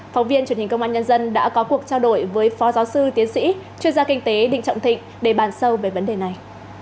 phóng viên truyền hình công an nhân dân đã có cuộc trao đổi với phó giáo sư tiến sĩ chuyên gia kinh tế định trọng thịnh để bàn sâu về vấn đề này